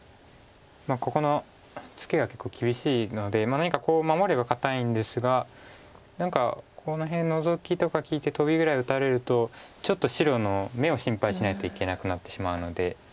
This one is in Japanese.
ここのツケが結構厳しいので何か守れば堅いんですが何かこの辺ノゾキとか利いてトビぐらい打たれるとちょっと白の眼を心配しないといけなくなってしまうので。